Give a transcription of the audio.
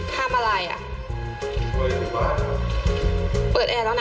ทำอะไรอ่ะเปิดแอร์แล้วนะ